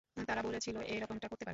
তারা বলেছিল এরকমটা করতে পারে!